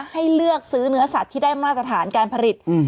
ให้เลือกซื้อเนื้อสัตว์ที่ได้มาตรฐานการผลิต